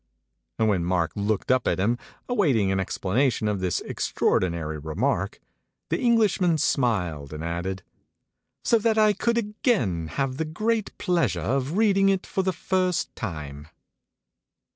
And when Mark looked up at him, awaiting an explanation of this extraordi nary remark, the Englishman smiled and added : "So that I could again have the great pleasure of reading it for the first time."